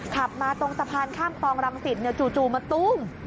ขับมาตรงสะพานข้ามคลองรังสิตจู่มาตุ้ม